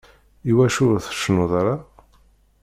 Iwacu ur tcennuḍ ara?